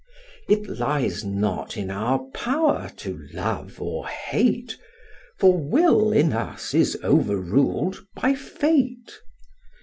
It lies not in our power to love or hate, For will in us is over rul'd by fate.